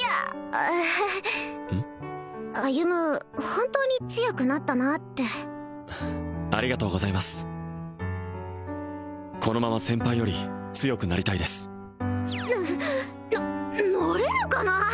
本当に強くなったなあってありがとうございますこのまま先輩より強くなりたいですななれるかな？